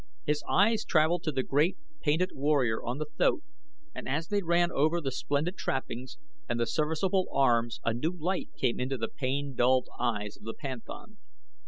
His eyes travelled to the great, painted warrior on the thoat and as they ran over the splendid trappings and the serviceable arms a new light came into the pain dulled eyes of the panthan.